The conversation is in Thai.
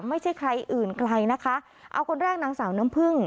ไม่ใช่ใครอื่นไกลนะคะเอาคนแรกนางสาวน้ำพึ่ง